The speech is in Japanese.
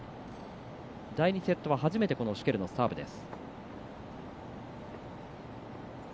第２セットは初めてシュケルのサーブです。